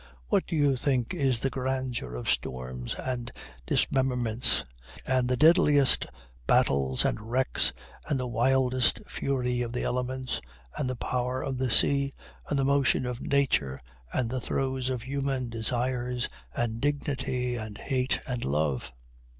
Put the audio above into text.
What do you think is the grandeur of storms and dismemberments, and the deadliest battles and wrecks, and the wildest fury of the elements, and the power of the sea, and the motion of Nature, and the throes of human desires, and dignity and hate and love?